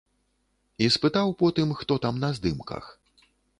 І спытаў потым, хто там на здымках.